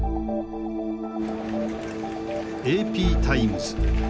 ＡＰタイムズ。